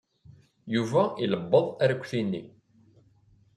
Yuba ilebbeḍ arekti-nni.